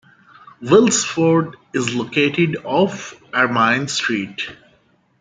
Wilsford is located off Ermine Street.